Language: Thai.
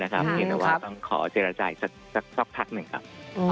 ทีมเราต้องขอเจรจัยซักพักหนึ่งครับ